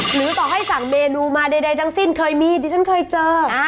หรือต่อให้สั่งเมนูมาใดทั้งสิ้นเคยมีดิฉันเคยเจอ